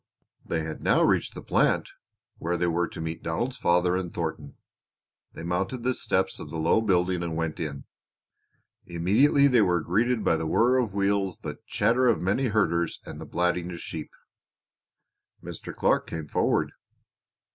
They had now reached the plant, where they were to meet Donald's father and Thornton; they mounted the steps of the low building and went in. Immediately they were greeted by the whirr of wheels, the chatter of many herders, and the blatting of sheep. Mr. Clark came forward.